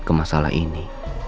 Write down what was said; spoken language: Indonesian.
ke masalah ini